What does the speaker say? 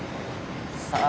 さあ